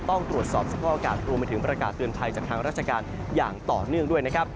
ต้องตรวจสอบสภาพอากาศรวมไปถึงประกาศเตือนภัยจากทางราชการอย่างต่อเนื่องด้วยนะครับ